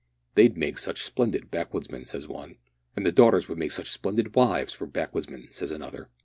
"They'd make such splendid backwoodsmen," says one. "And the daughters would make such splendid wives for backwoodsmen," says another.